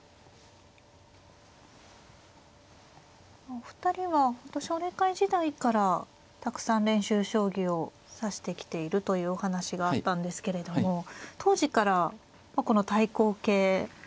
お二人は本当奨励会時代からたくさん練習将棋を指してきているというお話があったんですけれども当時からこの対抗型ですよね。